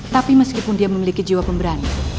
tapi meskipun dia memiliki jiwa pemberani